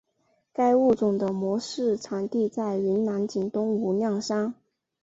该物种的模式产地在云南景东无量山。